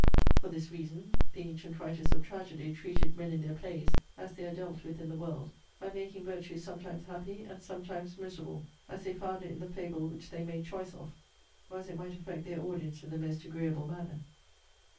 'For this reason, the antient writers of tragedy treated men in their plays, as they are dealt with in the world, by making virtue sometimes happy and sometimes miserable, as they found it in the fable which they made choice of, or as it might affect their audience in the most agreeable manner.